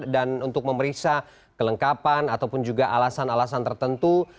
dan untuk memeriksa kelengkapan ataupun juga alasan alasan tertentu